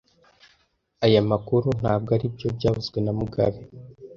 Aya makuru ntabwo aribyo byavuzwe na mugabe